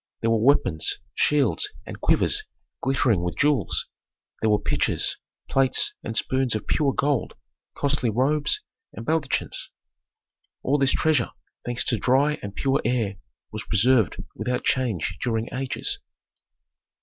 There were weapons, shields and quivers glittering with jewels. There were pitchers, plates, and spoons of pure gold, costly robes, and baldachins. All this treasure, thanks to dry and pure air, was preserved without change during ages.